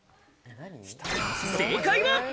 正解は。